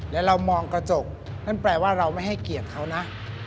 แล้วเรามองกระจกนั่นแปลว่าเราไม่ให้เกียรติเขานะ